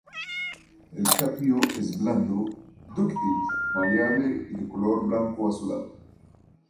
El cadmio es blando, dúctil, maleable y de color blanco azulado.